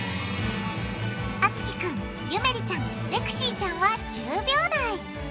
あつきくんゆめりちゃんレクシーちゃんは１０秒台。